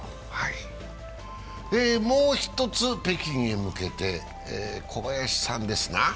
もう一つ北京へ向けて小林さんですな。